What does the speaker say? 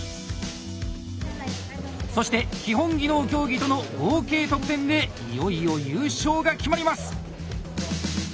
そして基本技能競技との合計得点でいよいよ優勝が決まります！